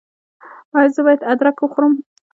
ایا زه باید ادرک وخورم؟